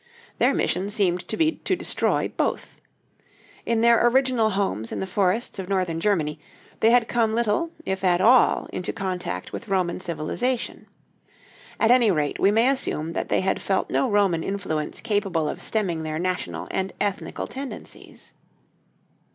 Their mission seemed to be to destroy both. In their original homes in the forests of northern Germany, they had come little if at all into contact with Roman civilization. At any rate, we may assume that they had felt no Roman influence capable of stemming their national and ethnical tendencies.